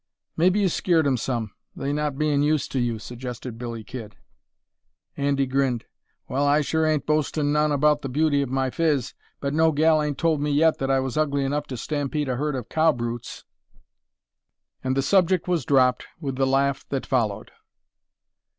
"Mebbe you skeered 'em some, they not bein' used to you," suggested Billy Kid. Andy grinned. "Well, I sure ain't boastin' none about the beauty of my phiz, but no gal ain't told me yet that I was ugly enough to stampede a herd of cow brutes," and the subject was dropped with the laugh that followed.